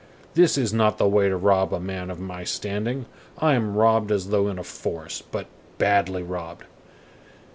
this is not the way to rob a man of my standing. I am robbed as though in a forest, but badly robbed.